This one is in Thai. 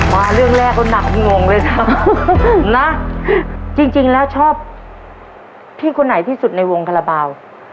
มาเรื่องแรกก็หนักงงเลยซ้ำนะจริงแล้วชอบพี่คนไหนที่สุดในวงคาราบาล